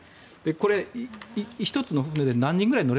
これ、１つの船で何人ぐらい？